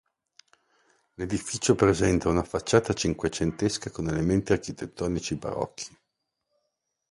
L'edificio presenta una facciata cinquecentesca con elementi architettonici barocchi.